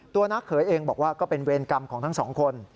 นักเขยเองบอกว่าก็เป็นเวรกรรมของทั้งสองคน